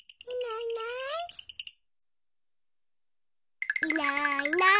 いないいない。